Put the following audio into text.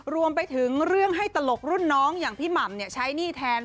รวมไปถึงเรื่องให้ตลกรุ่นน้องอย่างพี่หม่ำใช้หนี้แทน